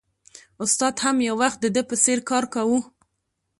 استاد هم یو وخت د ده په څېر کار کاوه